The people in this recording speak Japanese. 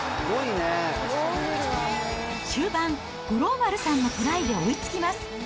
終盤、五郎丸さんのトライで追いつきます。